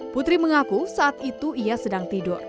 putri mengaku saat itu ia sedang tidur